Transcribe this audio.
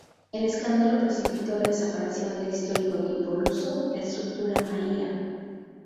El escándalo precipitó la desaparición del histórico equipo luso, la estructura Maia.